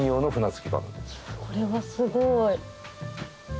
これはすごい。